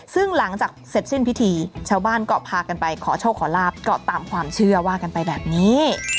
ซึ่งหลังจากเสร็จสิ้นพิธีชาวบ้านก็พากันไปขอโชคขอลาบก็ตามความเชื่อว่ากันไปแบบนี้